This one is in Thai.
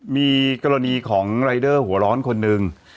มีกรณีของรายเดอร์หัวร้อนคนหนึ่ง